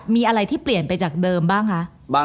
มีอะไรที่เปลี่ยนไปจากเดิมบ้างคะ